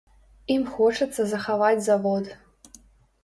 Ім хочацца захаваць завод.